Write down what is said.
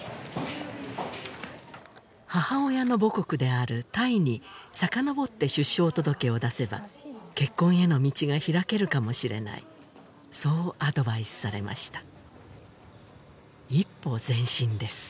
母親の母国であるタイにさかのぼって出生届を出せば結婚への道が開けるかもしれないそうアドバイスされました一歩前進です